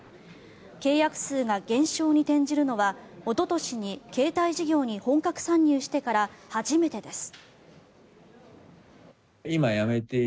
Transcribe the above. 契約数が減少に転じるのはおととしに携帯事業に本格参入してから初めてです。